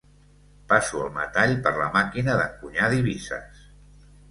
Passo el metall per la màquina d'encunyar divises.